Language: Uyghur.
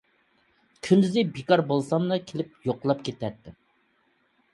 كۈندۈزى بىكار بولساملا كېلىپ يوقلاپ كېتەتتىم.